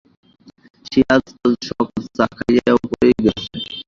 সে আজ সকাল-সকাল চা খাইয়া উপরেই গেছে।